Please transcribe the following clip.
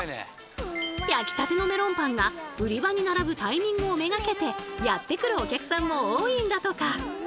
焼きたてのメロンパンが売り場に並ぶタイミングを目がけてやって来るお客さんも多いんだとか。